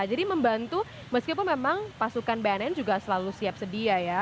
jadi membantu meskipun memang pasukan bnn juga selalu siap sedia ya